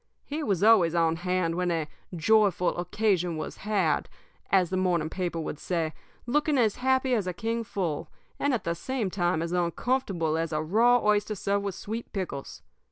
He was always on hand when 'a joyful occasion was had,' as the morning paper would say, looking as happy as a king full, and at the same time as uncomfortable as a raw oyster served with sweet pickles.